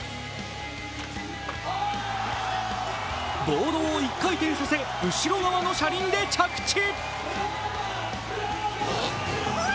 ボードを１回転させ、後ろ側の車輪で着地。